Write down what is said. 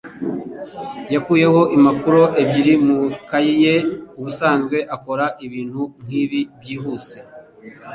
yakuyeho impapuro ebyiri mu ikaye ye. Ubusanzwe akora ibintu nkibi byihuse.